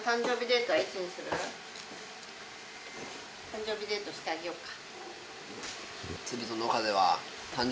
誕生日デートしてあげよっか？